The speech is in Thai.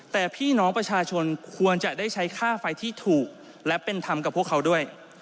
แต่พี่น้องประชาชนควรจะได้ใช้ค่าไฟที่ถูกและเป็นธรรมกับพวกเขาด้วย